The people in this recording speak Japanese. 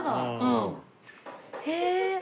へえ！